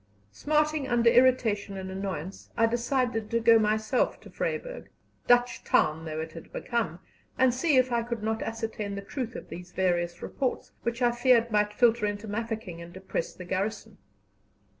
Smarting under irritation and annoyance, I decided to go myself to Vryburg Dutch town though it had become and see if I could not ascertain the truth of these various reports, which I feared might filter into Mafeking and depress the garrison.